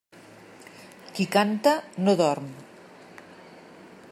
Qui canta no dorm.